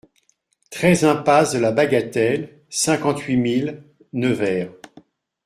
treize impasse de la Bagatelle, cinquante-huit mille Nevers